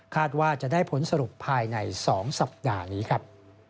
ว่าจะได้ผลสรุปภายใน๒สัปดาห์นี้ครับ